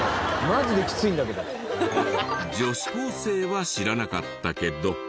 女子高生は知らなかったけど。